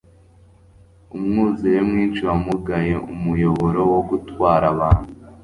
umwuzure mwinshi wamugaye umuyoboro wogutwara abantu